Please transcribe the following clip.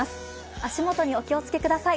足元にお気をつけください。